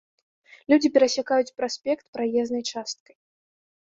Людзі перасякаюць праспект праезнай часткай.